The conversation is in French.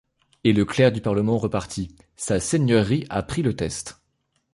Et le clerc du parlement repartit :— Sa seigneurie a pris le test.